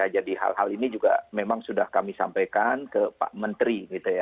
jadi hal hal ini juga memang sudah kami sampaikan ke pak menteri